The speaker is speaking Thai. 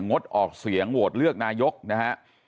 งดออกเสียงโหวตเลือกนายกนะฮะ